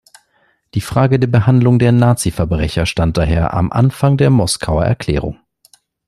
Die Frage der Behandlung der Naziverbrecher stand daher am Anfang der Moskauer Erklärung.